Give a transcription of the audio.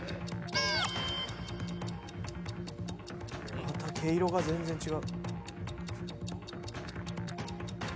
・また毛色が全然違う。